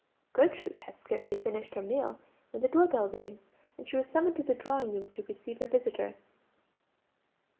Gertrude had scarcely finished her meal, when the door bell rang, and she was summoned to the drawing room to receive her visitor.